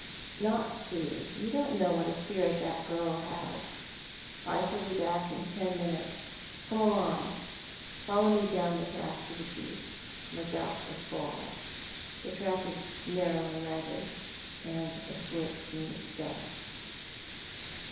" Not she. You don't know what a spirit that girl has. I shall be back in ten minutes. Come along; follow me dow,n the path to the beach, and look out for squalls. The track is narrow and ragged, and a slip means death."